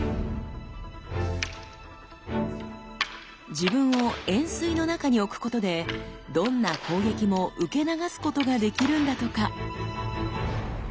自分を円錐の中に置くことでどんな攻撃も受け流すことができるんだとか。